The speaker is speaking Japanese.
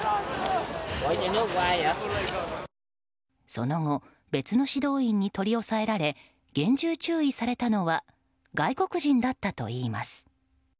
その後別の指導員に取り押さえられ厳重注意されたのは外国人だったといいます。